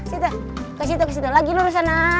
situ ke situ ke situ lagi lurus sana